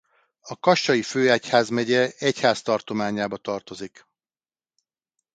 A kassai főegyházmegye egyháztartományába tartozik.